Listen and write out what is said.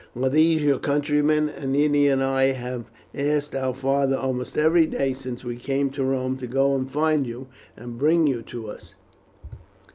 Are these your countrymen? Ennia and I have asked our father almost every day since we came to Rome to go and find you, and bring you to us.